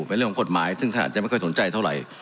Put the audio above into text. เป็นเรื่องของกฎหมายซึ่งท่านอาจจะไม่ค่อยสนใจเท่าไหร่